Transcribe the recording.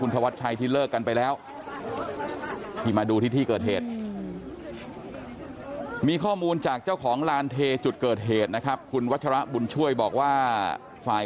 นี่มาดูที่ที่เกิดเหตุมีข้อมูลจากเจ้าของลานเทจุดเกิดเหตุนะครับคุณวัชระบุญช่วยบอกว่าฝ่าย